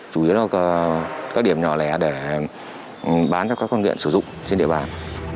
chủ yếu là các điểm nhỏ lẻ để bán cho các con nghiện sử dụng trên địa bàn